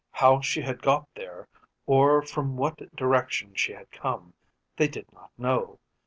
How she had got there, or from what direction she had come, they did not know.